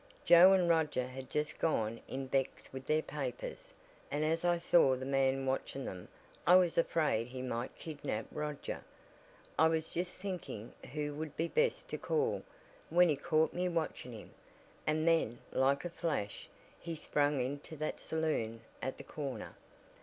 Joe and Roger had just gone in Beck's with their papers, and as I saw the man watching them I was afraid he might kidnap Roger. I was just thinking who would be best to call, when he caught me watching him, and then, like a flash, he sprang into that saloon at the corner.